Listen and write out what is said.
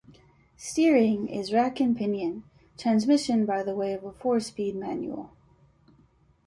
Steering is rack and pinion, transmission by the way of a four-speed manual.